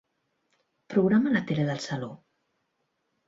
Programa la tele del saló.